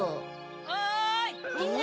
・おいみんな！